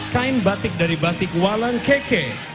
kain batik dari batik walang kk